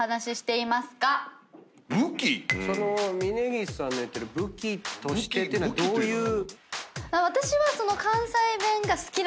峯岸さんの言ってる「武器として」っていうのはどういう。